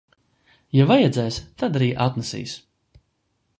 Ja vajadzēs, tad arī atnesīs.